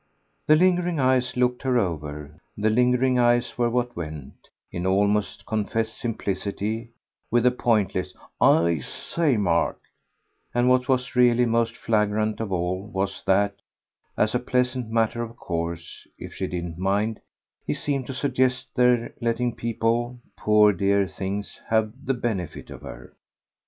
The lingering eyes looked her over, the lingering eyes were what went, in almost confessed simplicity, with the pointless "I say, Mark"; and what was really most flagrant of all was that, as a pleasant matter of course, if she didn't mind, he seemed to suggest their letting people, poor dear things, have the benefit of her.